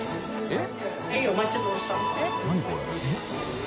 えっ。